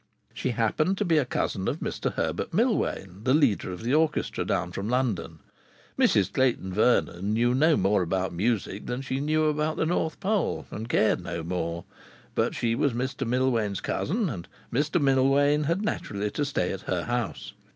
She happened to be a cousin of Mr Herbert Millwain, the leader of the orchestra down from London. Mrs Clayton Vernon knew no more about music than she knew about the North Pole, and cared no more. But she was Mr Millwain's cousin, and Mr Millwain had naturally to stay at her house.